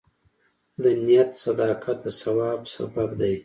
د نیت صداقت د ثواب سبب دی.